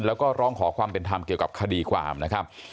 แล้วก็ร้องขอความเป็นธรรมเกี่ยวกับคดีความนะครับ